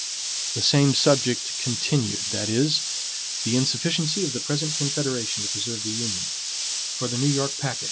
18 The Same Subject Continued (The Insufficiency of the Present Confederation to Preserve the Union) For the New York Packet.